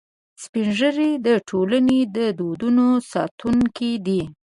سپین ږیری د ټولنې د دودونو ساتونکي دي